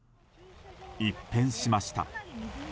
一変しました。